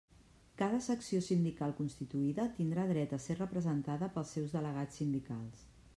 Cada secció sindical constituïda tindrà dret a ser representada pels seus delegats sindicals.